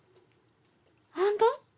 本当？